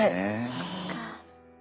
そっか。